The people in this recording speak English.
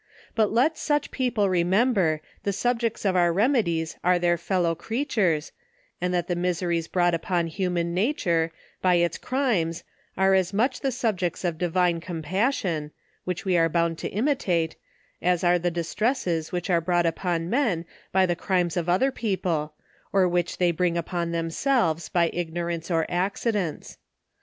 But let such people remember, the subjects of our remedies, are their fellow creatures, and that the miseries brought upon human nature, by its crimes, are as much the objects of divine compassion, (which we are bound to imitate) as the distresses which are brought upon men, by the crimes of other people, or which they bring upon themselves, by ignorance or acci dents.